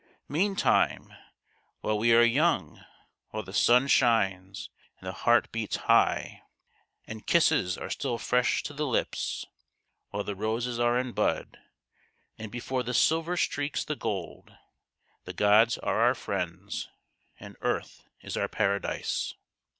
Meantime, while we are young while the sun shines and the heart beats high and 148 THE GHOST OF THE PAST. kisses are still fresh to the lips while the roses are in bud and before the silver streaks the gold the gods are our friends and earth is our Paradise.